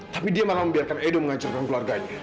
tapi dia malah membiarkan edo menghancurkan keluarganya